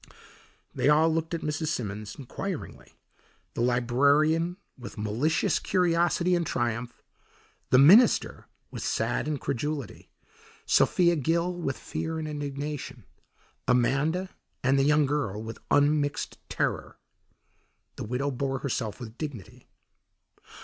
They all looked at Mrs. Simmons, inquiringly the librarian with malicious curiosity and triumph, the minister with sad incredulity, Sophia Gill with fear and indignation, Amanda and the young girl with unmixed terror. The widow bore herself with dignity.